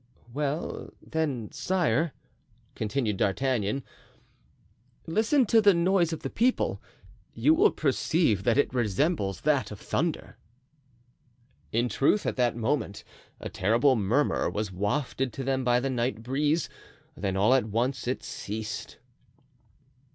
"Well then, sire," continued D'Artagnan, "listen to the noise of the people; you will perceive that it resembles that of thunder." In truth at that moment a terrible murmur was wafted to them by the night breeze; then all at once it ceased.